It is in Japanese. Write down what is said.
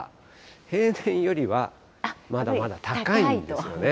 平年よりはまだまだ高いんですよね。